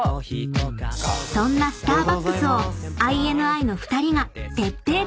［そんなスターバックスをＩＮＩの２人が徹底調査］